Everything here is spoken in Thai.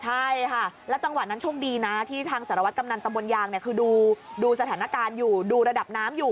ใช่ค่ะแล้วจังหวะนั้นโชคดีนะที่ทางสารวัตรกำนันตำบลยางเนี่ยคือดูสถานการณ์อยู่ดูระดับน้ำอยู่